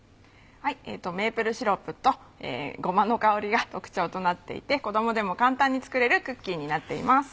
メープルシロップとごまの香りが特徴となっていて子供でも簡単に作れるクッキーになっています。